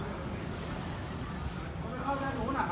อันที่สุดท้ายก็คือภาษาอันที่สุดท้าย